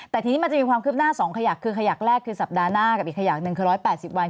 แต่ทีนี้มันจะมีความคืบหน้า๒ขยักคือขยักแรกคือสัปดาห์หน้ากับอีกขยักหนึ่งคือ๑๘๐วัน